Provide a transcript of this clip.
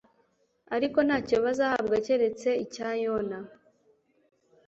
Ariko ntacyo bazahabwa keretse icya Yona."